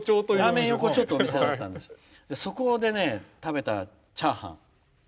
そこで食べたチャーハン。